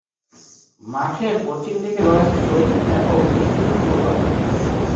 মাঠের পশ্চিম দিকে রয়েছে শহীদ মিনার ও বিস্তৃত ফুল বাগান।